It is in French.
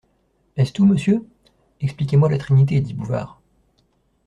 Est-ce tout, monsieur ? Expliquez-moi la Trinité dit Bouvard.